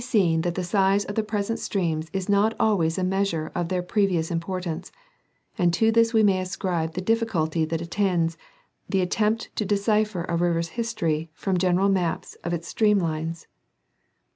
219 seen that the size of the present streams is not always a measure of their previous importance, and to this we may ascribe the difficulty that attends the attempt to decipher a river's history from general maps of its stream lines.